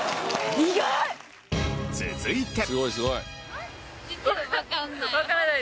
続いて。